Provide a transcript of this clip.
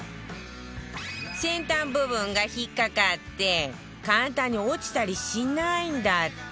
先端部分が引っかかって簡単に落ちたりしないんだって